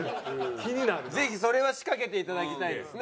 ぜひそれは仕掛けて頂きたいですね。